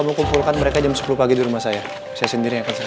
gak boleh sampai terluka